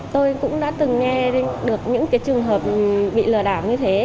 tôi cũng đã từng nghe được những trường hợp bị lừa đảo như thế